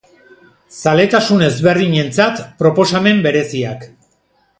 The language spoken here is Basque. Zaletasun ezberdinentzat, proposamen bereziak.